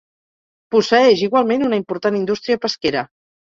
Posseeix igualment una important indústria pesquera.